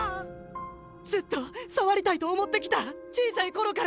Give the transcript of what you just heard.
ずっと触りたいと思ってきた小さい頃から！